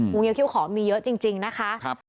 หูเงียวเข้าขอมีเยอะจริงจริงนะคะครับ